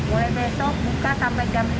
mulai besok buka sampai jam lima sore